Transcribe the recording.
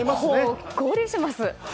ほっこりします。